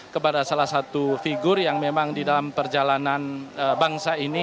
kepada salah satu figur yang memang di dalam perjalanan bangsa ini